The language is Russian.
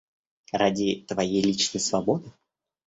Ради твоей личной свободы?